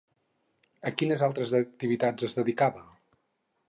A quines altres activitats es dedicava?